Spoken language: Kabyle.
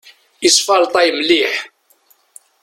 Isfalṭay mliḥ.